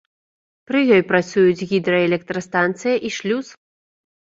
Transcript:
Пры ёй працуюць гідраэлектрастанцыя і шлюз.